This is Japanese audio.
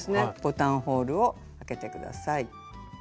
ボタンホールを開けて下さい。